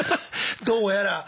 どうやら。